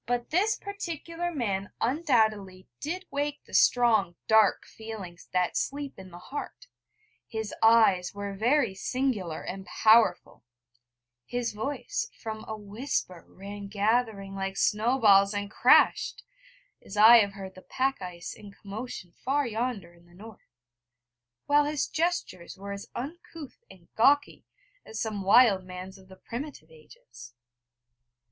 But this particular man undoubtedly did wake the strong dark feelings that sleep in the heart; his eyes were very singular and powerful; his voice from a whisper ran gathering, like snow balls, and crashed, as I have heard the pack ice in commotion far yonder in the North; while his gestures were as uncouth and gawky as some wild man's of the primitive ages.